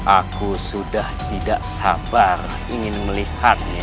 aku sudah tidak sabar ingin melihatnya